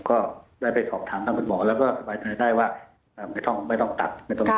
ผมก็ได้ไปสอบถามทางพฤทธิ์หมอแล้วก็สบายใจว่าไม่ต้องตัด